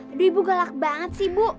aduh ibu galak banget sih bu